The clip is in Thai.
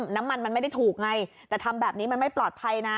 น้ำมันมันไม่ได้ถูกไงแต่ทำแบบนี้มันไม่ปลอดภัยนะ